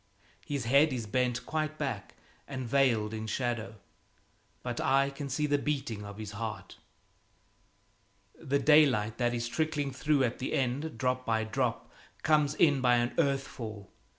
His head is bent quite back and veiled in shadow, but I can see the beating of his heart. The daylight that is trickling through at the end, drop by drop, comes in by an earth fall.